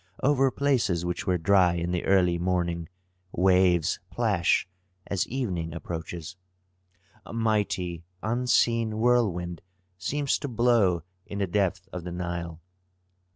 Over places which were dry in the early morning, waves plash as evening approaches. A mighty, unseen whirlwind seems to blow in the depth of the Nile.